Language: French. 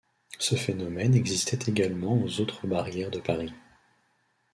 Ce phénomène existait également aux autres barrières de Paris.